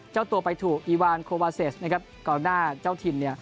เจ้าตัวไปถูกอีวานโควาเซสนะครับกองหน้าเจ้าถิ่นเนี่ย